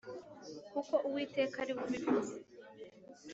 kuko Uwiteka ari we ubivuze